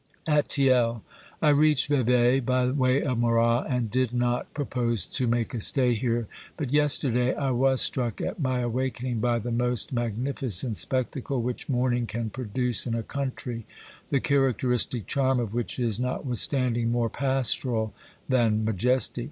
At Thiel. I reached Vevey by way of Morat, and did not pro pose to make a stay here, but yesterday I was struck at my awakening by the most magnificent spectacle which morning can produce in a country, the characteristic charm of which is, notwithstanding, more pastoral than majestic.